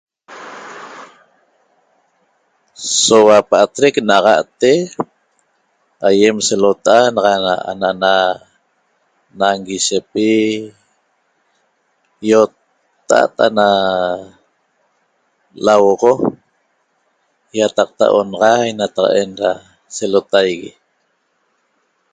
Soua pa'atrec na'axa'te aýem selota'a naxa ana'ana nanguishepi ýotta'a't ana lauoxo ýataqta onaxai nataq'en da selotaigui